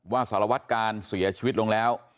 สารวัตกาลเสียชีวิตลงแล้ว